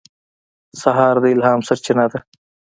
سهار د الهام سرچینه ده.